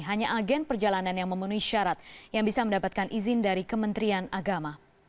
hanya agen perjalanan yang memenuhi syarat yang bisa mendapatkan izin dari kementerian agama